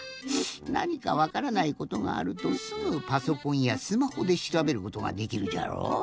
なにかわからないことがあるとすぐパソコンやスマホでしらべることができるじゃろう。